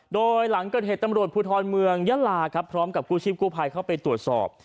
โดยหลังเกิดเหตุตำรวจภูทรเมืองยะลาครับพร้อมกับกู้ชีพกู้ภัยเข้าไปตรวจสอบ